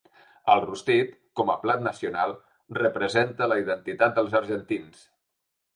El rostit, com a plat nacional, representa la identitat dels argentins.